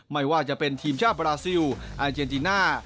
ไม่ว่าจะเป็นทีมชาติบราซิลอาเจนติน่า